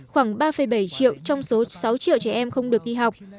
khoảng ba bảy triệu trong số sáu triệu trẻ em không được đi học